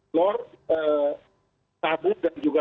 flore sabu dan juga